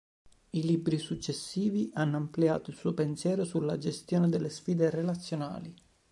I libri successivi hanno ampliato il suo pensiero sulla gestione delle sfide relazionali.